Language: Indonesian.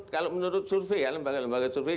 kalau menurut survei ya lembaga lembaga survei